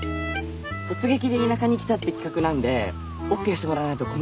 突撃で田舎に来たって企画なんでＯＫしてもらわないと困るんですよ。